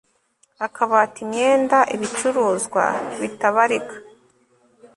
akabati, imyenda, ibicuruzwa bitabarika